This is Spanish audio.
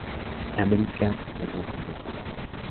America" y "Adiós mundo cruel".